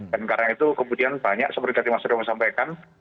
dan karena itu kemudian banyak seperti yang mas revo sampaikan